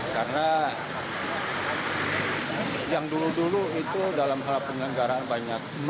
karena yang dulu dulu itu dalam hal pengelenggaraan banyak